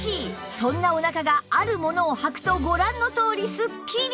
そんなお腹があるものをはくとご覧のとおりスッキリ！